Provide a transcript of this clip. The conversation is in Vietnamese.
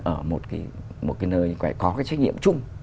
ở một cái nơi có cái trách nhiệm chung